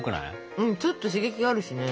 うんちょっと刺激があるしね。